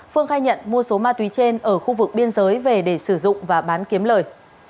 phương khai nhận mua số ma túy trên ở khu vực biên giới về để sử dụng và bán kiếm lời